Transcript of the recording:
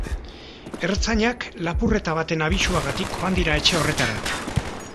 Ertzainak lapurreta baten abisuagatik joan dira etxe horretara.